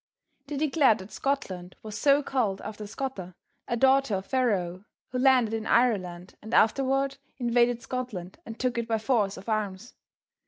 They declared that Scotland was so called after Scota, a daughter of Pharaoh, who landed in Ireland and afterward invaded Scotland and took it by force of arms.